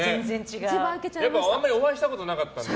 あんまりお会いしたことなかったので。